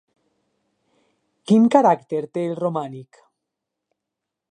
Quin caràcter té el romànic?